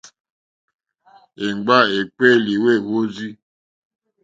Èmgbâ èkpéélì wêhwórzí.